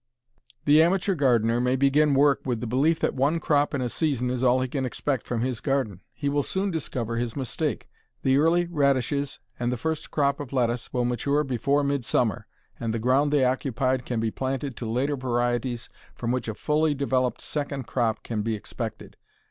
The amateur gardener may begin work with the belief that one crop in a season is all he can expect from his garden. He will soon discover his mistake. The early radishes and the first crop of lettuce will mature before midsummer, and the ground they occupied can be planted to later varieties from which a fully developed second crop can be expected.